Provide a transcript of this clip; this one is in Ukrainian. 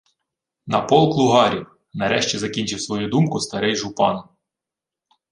— На полк лугарів, — нарешті закінчив свою думку старий жупан.